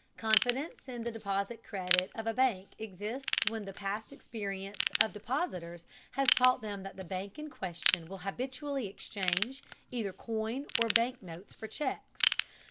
Confidence in the deposit credit of a bank exists when the past experience of depositors has taught them that the bank in question will habitually exchange either coin or bank notes for checks.